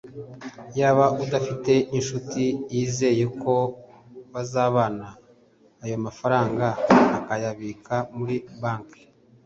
yaba adafite inshuti yizeye ko bazabana ayo mafaranga akayabika muri banki